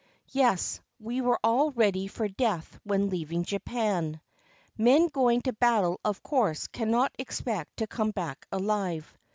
Yes, we were all ready for death when leaving Japan. Men going to battle of course cannot expect to come back alive.